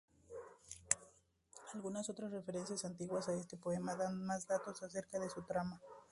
Algunas otras referencias antiguas a este poema dan más datos acerca de su trama.